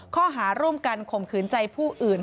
ข้อหาร่วมกันข่มขืนใจผู้อื่น